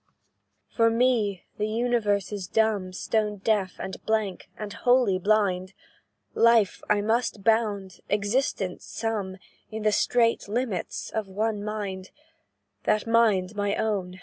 "For me the universe is dumb, Stone deaf, and blank, and wholly blind; Life I must bound, existence sum In the strait limits of one mind; "That mind my own.